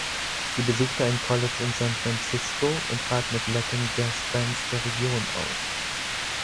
Sie besuchte ein College in San Francisco und trat mit Latin-Jazz-Bands der Region auf.